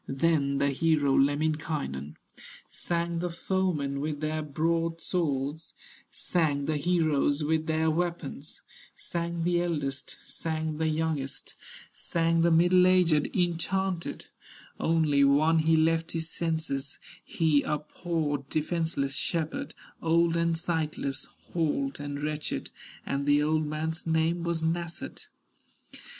Then the hero, Lemminkainen, Sang the foemen with their broadswords, Sang the heroes with their weapons, Sang the eldest, sang the youngest, Sang the middle aged, enchanted; Only one he left his senses, He a poor, defenseless shepherd, Old and sightless, halt and wretched, And the old man's name was Nasshut.